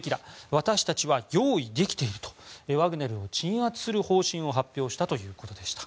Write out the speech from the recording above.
私たちは用意できているとワグネルを鎮圧する方針を発表したということでした。